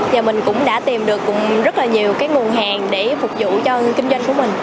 và mình cũng đã tìm được rất là nhiều cái nguồn hàng để phục vụ cho kinh doanh của mình